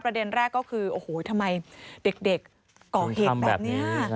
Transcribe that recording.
ประเด็นแรกก็คือโอ้โหทำไมเด็กก่อเหตุแบบนี้